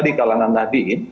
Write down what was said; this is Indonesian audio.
di kalangan tadi